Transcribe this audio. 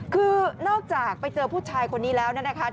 คือนอกจากไปเจอผู้ชายคนนี้แล้วนะครับ